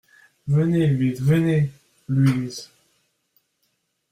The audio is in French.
Venez, Louise, venez ! LOUISE.